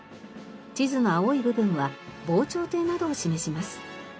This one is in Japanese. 地図の青い部分は防潮堤などを示します。